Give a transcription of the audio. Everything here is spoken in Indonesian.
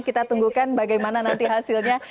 kita tunggukan bagaimana nanti hasilnya